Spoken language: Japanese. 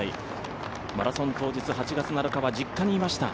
マラソン当日８月７日は実家にいました。